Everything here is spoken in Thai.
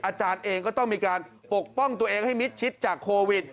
อาจารย์เองก็ต้องมีการปกป้องตัวเองให้มิดชิดจากโควิด